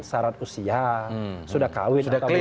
syarat usia sudah kawin